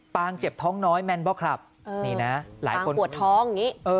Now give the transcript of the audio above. งเจ็บท้องน้อยแมนบอลคลับนี่นะหลายคนปวดท้องอย่างนี้